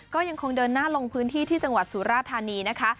ก็ยังคงเดินหน้าลงพื้นที่ที่จังหวัดสุราธานีนะคะ